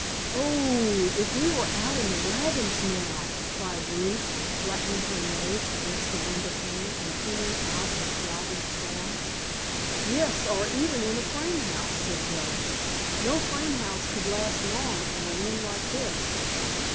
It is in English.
"Oo ooh! if we were out in the wagons now!" cried Ruth, flattening her nose against the window pane and peering out at the driving storm. "Yes, or even in a frame house," said Joe. "No frame house could last long in a wind like this.